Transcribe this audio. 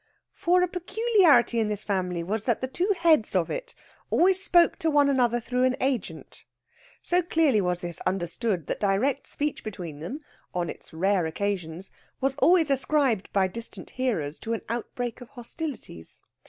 For a peculiarity in this family was that the two heads of it always spoke to one another through an agent. So clearly was this understood that direct speech between them, on its rare occasions, was always ascribed by distant hearers to an outbreak of hostilities.